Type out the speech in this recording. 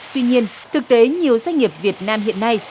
tuy nhiên thực tế nhiều doanh nghiệp việt nam hiện nay